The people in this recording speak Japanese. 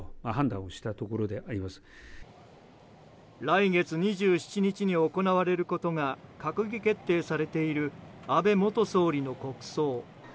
来月２７日に行われることが閣議決定されている安倍元総理の国葬。